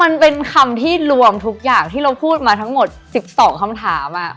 มันเป็นคำที่รวมทุกอย่างที่เราพูดมาทั้งหมด๑๒คำถาม